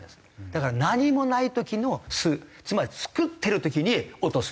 だから何もない時の巣つまり作ってる時に落とす。